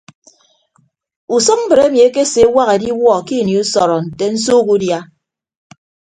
Mme mbre emi ekeseewak ediwuọ ke ini usọrọ nte nsuuk udia.